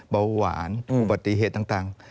เบาหวานอุบัติเหตุต่าง